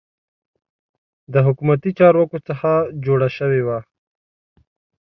د حکومتي چارواکو څخه جوړه شوې وه.